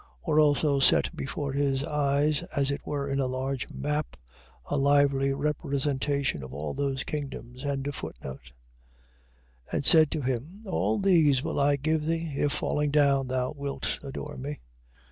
Or also set before his eyes, as it were in a large map, a lively representation of all those kingdoms. 4:9. And said to him: All these will I give thee, if falling down thou wilt adore me.